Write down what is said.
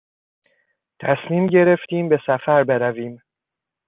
تصمیم گرفتیم به سفر برویم.